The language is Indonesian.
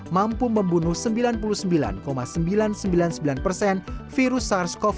mampu membunuh sembilan puluh sembilan sembilan ratus sembilan puluh sembilan persen virus sars cov dua